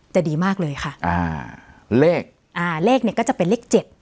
จะดีมากเลยค่ะอ่าเลขอ่าเลขเนี่ยก็จะเป็นเลขเจ็ด